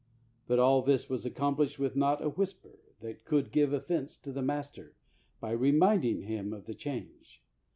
But all this was accomplished with not a whisper that could give offense to the master by reminding him of the change.